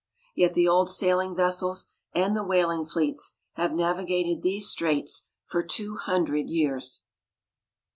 Yet, the old sailing vessels and the whaling fleets have navigated these straits for two hundred years.